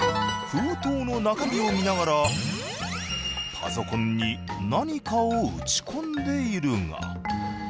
封筒の中身を見ながらパソコンに何かを打ち込んでいるが。